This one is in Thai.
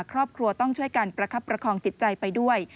ครอบครัวต้องช่วยกันประคับประคองจิตใจไปด้วย